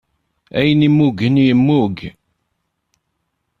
Ayen immugen, yemmug.